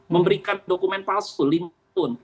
memberikan dokumen palsu